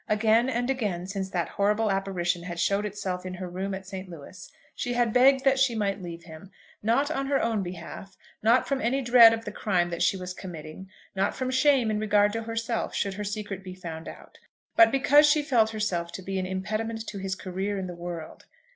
Again and again, since that horrible apparition had showed itself in her room at St. Louis, she had begged that she might leave him, not on her own behalf, not from any dread of the crime that she was committing, not from shame in regard to herself should her secret be found out, but because she felt herself to be an impediment to his career in the world.